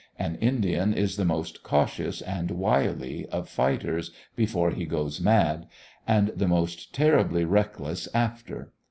An Indian is the most cautious and wily of fighters before he goes mad: and the most terribly reckless after.